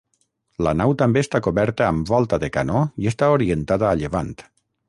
La nau també està coberta amb volta de canó i està orientada a llevant.